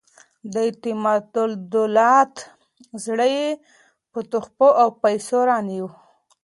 د اعتمادالدولة زړه یې په تحفو او پیسو رانیوی.